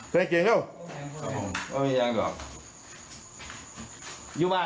เซ็งเกียงหรอครับผมไม่มีอย่างหรอกอยู่บ้านไหน